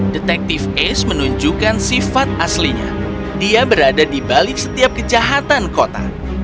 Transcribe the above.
detective ace menunjukkan sifat aslinya dia berada di balik setiap kejahatan kota